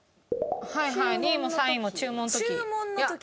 はいはい２位も３位も注文の時。